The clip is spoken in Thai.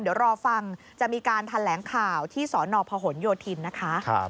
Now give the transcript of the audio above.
เดี๋ยวรอฟังจะมีการแถลงข่าวที่สนพหนโยธินนะคะ